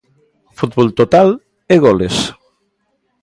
Fútbol total e goles.